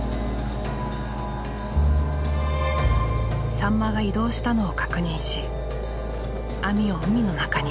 サンマが移動したのを確認し網を海の中に。